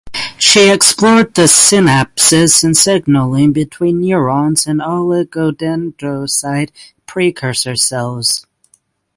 She explored the synapses and signaling between neurons and oligodendrocyte precursor cells.